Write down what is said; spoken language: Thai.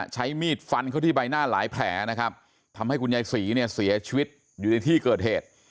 ใช้มีดฟันเข้าที่ใบหน้าหลายแผลนะครับทำให้คุณยายศรีเนี่ยเสียชีวิตอยู่ในที่เกิดเหตุ